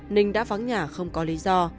nình đã vắng nhà không có lý do